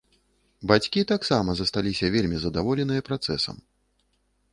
Бацькі таксама засталіся вельмі задаволеныя працэсам.